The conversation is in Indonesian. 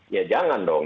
ya jangan dong